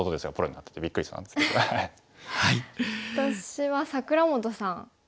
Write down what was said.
私は櫻本さん